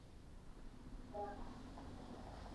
Horrez gain, baraila aurrera ekarri daiteke.